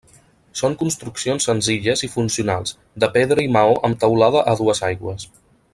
Són construccions senzilles i funcionals, de pedra i maó amb teulada a dues aigües.